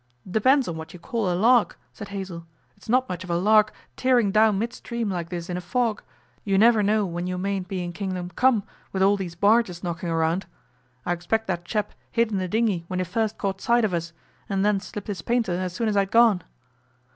'Depends on what you call a lark,' said Hazell; 'it's not much of a lark tearing down midstream like this in a fog. You never know when you mayn't be in kingdom come with all these barges knocking around. I expect that chap hid in the dinghy when he first caught sight of us, and then slipped his painter as soon as I'd gone.